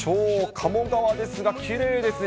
鴨川ですが、きれいですね。